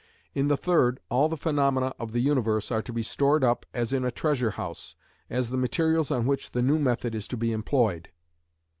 In the third, all the phenomena of the universe are to be stored up as in a treasure house, as the materials on which the new method is to be employed.